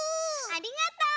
ありがとう！